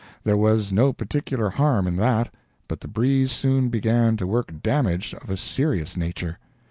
There was no particular harm in that, but the breeze soon began to work damage of a serious nature.